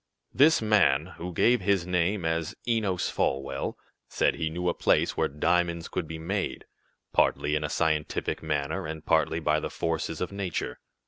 "This man, who gave his name as Enos Folwell, said he knew a place where diamonds could be made, partly in a scientific manner, and partly by the forces of nature.